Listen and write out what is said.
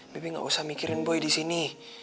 bibi gak usah mikirin boy di sini